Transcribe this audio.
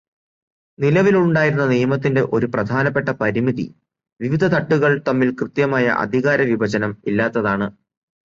നിലവിലുണ്ടായിരുന്ന നിയമത്തിന്റെ ഒരു പ്രധാനപ്പെട്ട പരിമിതി വിവിധ തട്ടുകൾ തമ്മിൽ കൃത്യമായ അധികാരവിഭജനം ഇല്ലാത്തതാണ്.